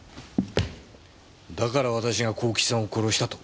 だから私が幸吉さんを殺したと？